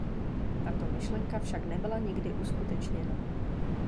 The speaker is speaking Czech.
Tato myšlenka však nebyla nikdy uskutečněna.